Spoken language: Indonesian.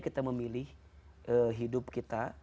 kita memilih hidup kita